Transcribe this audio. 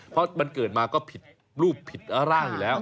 เพราะมันเกิดมาก็ผิดรูปผิดร่างอยู่แล้ว